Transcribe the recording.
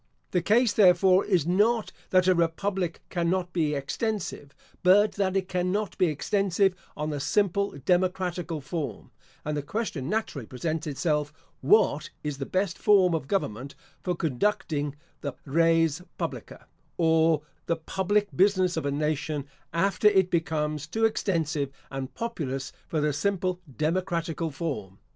The case, therefore, is not, that a republic cannot be extensive, but that it cannot be extensive on the simple democratical form; and the question naturally presents itself, What is the best form of government for conducting the Res Publica, or the Public Business of a nation, after it becomes too extensive and populous for the simple democratical form?